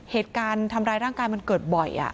เหตุการณ์ทำร้ายร่างกายมันเกิดบ่อย